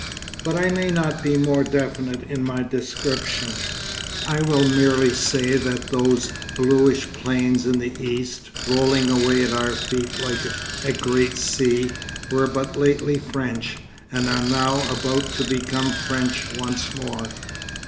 But I may not be more definite in my description; I will merely say that those bluish plains in the East, rolling away at our feet like a great sea, were but lately French, and are now about to become French once more.